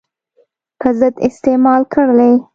په ضد استعمال کړلې.